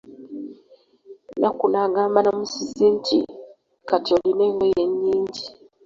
Nakku n'agamba Namusisi nti, kati olina engoye nnyingi.